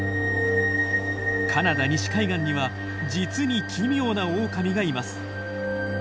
カナダ西海岸には実に奇妙なオオカミがいます。